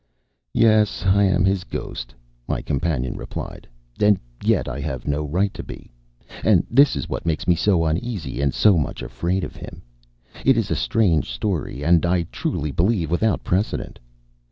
"Yes, I am his ghost," my companion replied, "and yet I have no right to be. And this is what makes me so uneasy, and so much afraid of him. It is a strange story, and, I truly believe, without precedent.